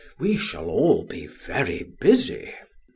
We shall be very busy.